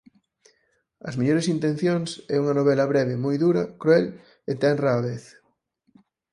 As mellores intencións é unha novela breve moi dura, cruel e tenra á vez.